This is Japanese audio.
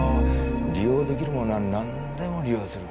利用出来るものはなんでも利用する。